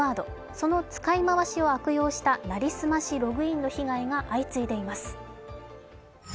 その使い回しを悪用した成り済ましログインの被害が相次いでいます。